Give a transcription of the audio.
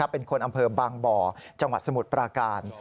เป็นคนอำเภอบางบ่อจังหวัดสมุทรปราการ